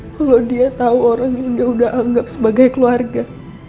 kalau dia tahu orang yang dia udah anggap sebagai keluarga